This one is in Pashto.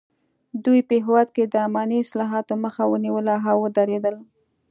دوی په هېواد کې د اماني اصلاحاتو مخه ونیوله او ودریدل.